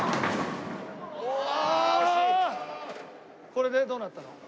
これでどうなったの？